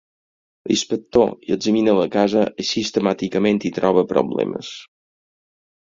L'inspector examina la casa i sistemàticament hi troba problemes.